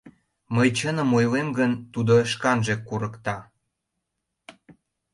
Мый чыным ойлем гын, тудо шканже курыкта.